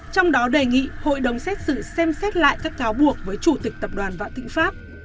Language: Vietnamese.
trong đó đề nghị hội đồng xét xử xem xét lại các cáo buộc với chủ tịch tập đoàn vạn thịnh pháp